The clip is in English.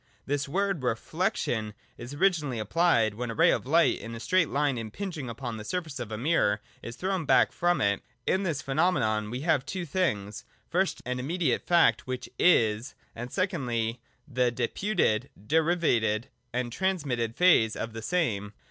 This word ' reflection' is originally applied, when a ray of light in a straight line impinging upon the surface of a mirror is thrown back from it. In this phenomenon we have \wo things, — first an immediate fact which is, and secondly the deputed, derivated, or transmitted phase of the same.